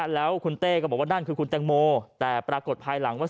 แล้วคุณเต้ก็บอกว่านั่นคือคุณแตงโมแต่ปรากฏภายหลังว่า